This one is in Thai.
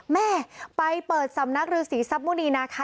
แม่ไปเปิดสำนักฤทธิ์ศรีทรัพมุนีนะคะ